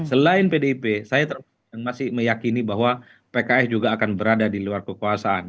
selain pdip saya masih meyakini bahwa pks juga akan berada di luar kekuasaan